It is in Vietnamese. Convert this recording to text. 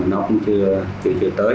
nó cũng chưa tới